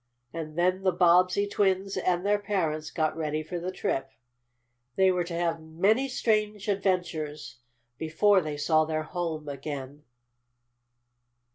And then the Bobbsey twins and their parents got ready for the trip. They were to have many strange adventures before they saw their home again.